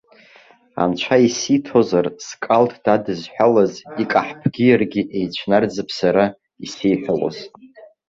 Анцәа исиҭозар, зкалҭ дадызҳәалаз икаҳԥгьы иаргьы еицәнарӡып сара исеиҳәалоз.